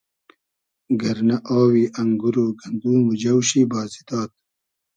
گئرنۂ آوی انگور و گندوم و جۆ شی بازی داد